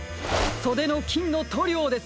そでのきんのとりょうです！